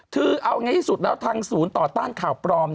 คือเอาไงที่สุดแล้วทางศูนย์ต่อต้านข่าวปลอม